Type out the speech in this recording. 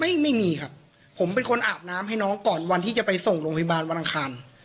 ไม่มีครับผมเป็นคนอาบน้ำให้น้องก่อนวันที่จะไปส่งโรงพยาบาลวันอังคาร